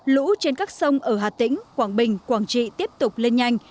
lũ trên các sông ở hà tĩnh quảng bình quảng trị tiếp tục lên nhanh